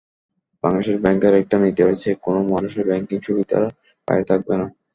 বাংলাদেশ ব্যাংকের একটা নীতি রয়েছে, কোনো মানুষই ব্যাংকিং সুবিধার বাইরে থাকবে না।